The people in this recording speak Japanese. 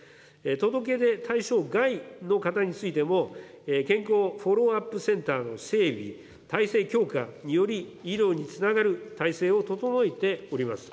届け出対象外の方に対しても、健康フォローアップセンターの整備、体制強化により、医療につながる体制を整えております。